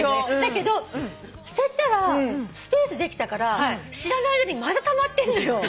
だけど捨てたらスペースできたから知らない間にまたたまってんのよ！